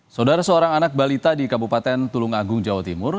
saudara seorang anak balita di kabupaten tulung agung jawa timur